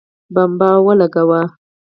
بمبه ولګوه